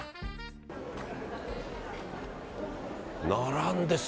並んでる。